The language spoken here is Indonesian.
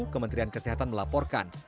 kementerian kesehatan melaporkan